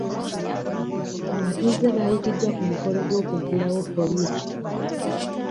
Abatuuze baayitiddwa ku mukolo gw'okuggulawo poliisi.